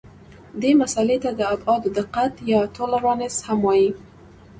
دې مسئلې ته د ابعادو دقت یا تولرانس هم وایي.